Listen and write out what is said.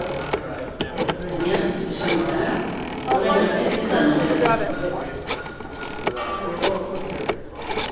Baina, esan bezala, orain arte ez da nobedaderik.